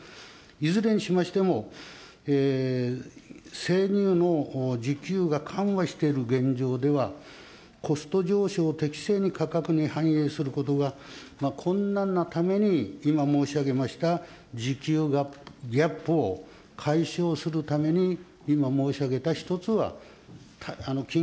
いずれにしましても、生乳の需給が緩和している現状では、コスト上昇を適正に価格に反映することが困難なために、今申し上げました、需給ギャップを解消するために今申し上げた一つは、緊